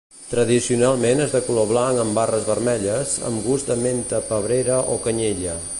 Tradicionalment és de color blanc amb barres vermelles, amb gust de menta pebrera o canyella.